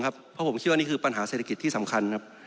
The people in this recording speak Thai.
เพราะผมเชื่อว่านี่คือปัญหาเศรษฐกิจที่สำคัญครับ